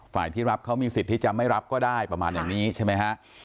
ที่รับเขามีสิทธิ์ที่จะไม่รับก็ได้ประมาณอย่างนี้ใช่ไหมฮะ